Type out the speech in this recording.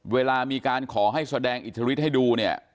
เวลามีการขอให้แสดงอิทธิฤทธิให้ดูเนี่ย